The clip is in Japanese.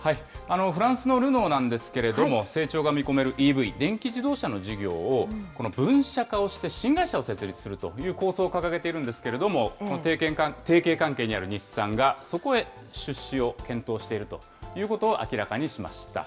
フランスのルノーなんですけれども、成長が見込めるＥＶ・電気自動車の事業をこの分社化をして、新会社を設立するという構想を掲げているんですけれども、提携関係にある日産がそこへ出資を検討しているということを明らかにしました。